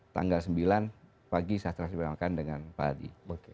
tanggal sembilan pagi saya telah dikeluarkan dengan pak adi